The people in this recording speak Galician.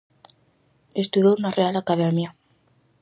Estudou na Real Academia.